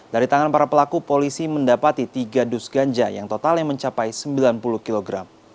dari tangan para pelaku polisi mendapati tiga dus ganja yang totalnya mencapai sembilan puluh kg